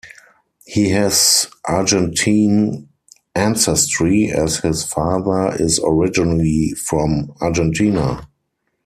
He has Argentine ancestry as his father is originally from Argentina.